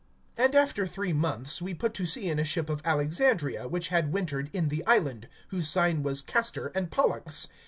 (11)And after three months, we put to sea in a ship of Alexandria, which had wintered in the island, whose sign was Castor and Pollux.